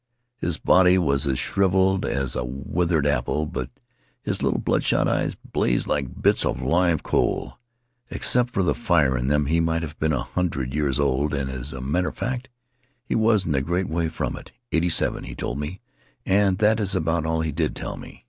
"His body was as shriveled as a withered apple, but his little bloodshot eyes blazed like bits of live coal. Except for the fire in them, he might have been a hundred years old and, as a matter of fact, he wasn't a great way from it. Eighty seven, he told me, and that is about all he did tell me.